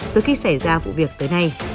từ khi xảy ra vụ việc tới nay